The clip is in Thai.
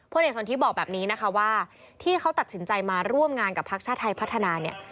เอกสนทิบอกแบบนี้นะคะว่าที่เขาตัดสินใจมาร่วมงานกับพักชาติไทยพัฒนาเนี่ย